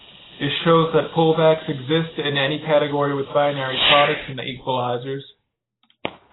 This shows that pullbacks exist in any category with binary products and equalizers.